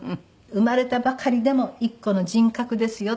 「生まれたばかりでも一個の人格ですよ」。